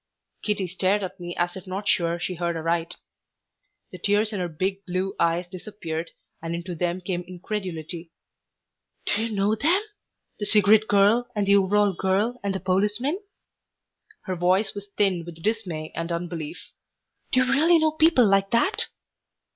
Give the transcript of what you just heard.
Kitty stared at me as if not sure she heard aright. The tears in her big blue eyes disappeared and into them came incredulity. "Do you know them the cigarette girl, and the overall girl, and the policeman?" Her voice was thin with dismay and unbelief. "Do you really know people like that?"